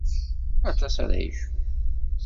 Aṭas ara yecfun.